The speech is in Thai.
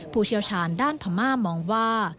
ผู้เชี่ยวชาญด้านพม่ามองว่า